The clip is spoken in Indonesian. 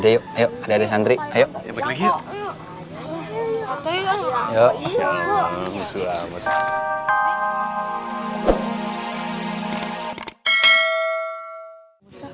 yuk yuk yuk yuk yuk